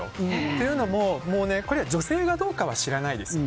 というのもこれは女性がどうかは知らないです。